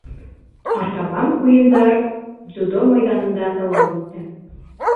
Артабан уйындар дзюдо майҙанында дауам итте.